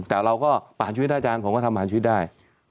แต่เราก็ผ่านชีวิตอาจารย์ผมก็ทำผ่านชีวิตได้